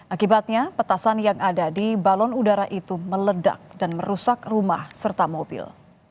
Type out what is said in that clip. akibatnya petasan yang ada di balon udara itu meledak dan merusak rumah serta mobil